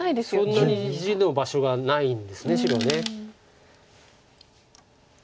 そんなに地の場所がないんです白。